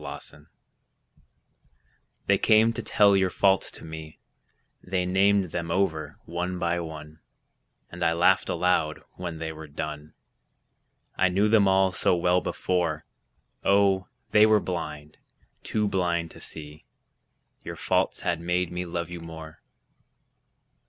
Faults They came to tell your faults to me, They named them over one by one; I laughed aloud when they were done, I knew them all so well before, Oh, they were blind, too blind to see Your faults had made me love you more.